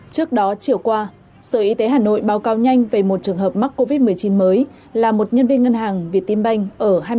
trước đó chiều qua sở y tế hà nội báo cáo nhanh về một trường hợp mắc covid một mươi chín mới là một nhân viên ngân hàng việt tiên banh ở